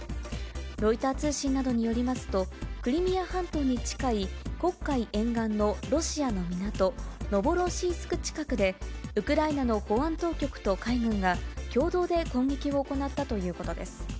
ロイター通信などによりますと、クリミア半島に近い黒海沿岸のロシアの港、ノボロシースク近くでウクライナの保安当局と海軍が共同で攻撃を行ったということです。